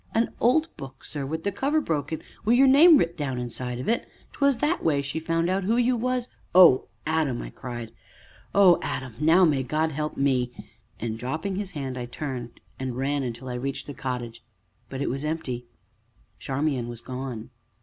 "A old book, sir, wi' the cover broke, and wi' your name writ down inside of it; 'twas that way as she found out who you was " "Oh, Adam!" I cried. "Oh, Adam! now may God help me!" And, dropping his hand, I turned and ran until I reached the cottage; but it was empty, Charmian was gone.